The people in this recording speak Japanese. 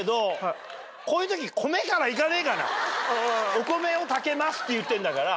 お米を炊けますって言ってんだから。